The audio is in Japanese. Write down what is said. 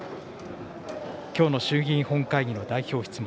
きょうの衆議院本会議の代表質問。